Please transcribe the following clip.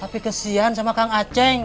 tapi kesian sama kang aceh